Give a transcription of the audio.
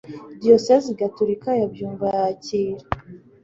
diyosezi gatolika ya byumba yakira